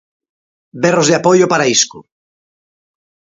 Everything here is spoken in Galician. Berros de apoio para Isco.